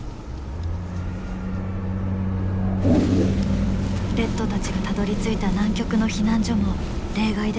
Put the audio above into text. レッドたちがたどりついた南極の避難所も例外ではなかった。